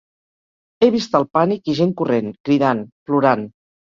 He vist el pànic i gent corrent, cridant, plorant.